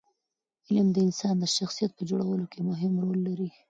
علم د انسان د شخصیت په جوړولو کې مهم رول لري.